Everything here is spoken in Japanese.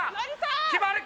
決まるか？